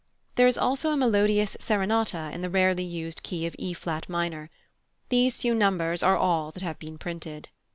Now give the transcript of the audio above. There is also a melodious serenata in the rarely used key of E flat minor. These few numbers are all that have been printed.